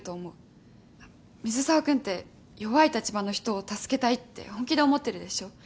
水沢君って弱い立場の人を助けたいって本気で思ってるでしょ。